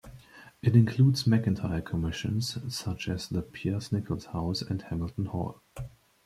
It includes McIntire commissions such as the Peirce-Nichols House and Hamilton Hall.